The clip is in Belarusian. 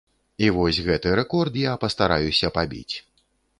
І вось гэты рэкорд я пастараюся пабіць.